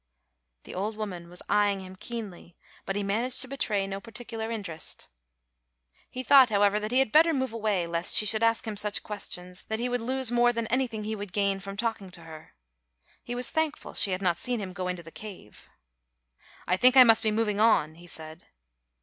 The old woman was eyeing him keenly, but he managed to betray no particular interest. He thought, however, that he had better move away lest she should ask him such questions that he would lose more than anything he would gain from talking to her. He was thankful she had not seen him go into the cave. "I think I must be moving on," he said.